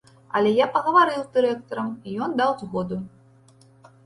Але я пагаварыў з дырэктарам і ён даў згоду.